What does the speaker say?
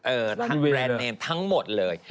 ทั้งแบรนด์เนมทั้งหมดเลย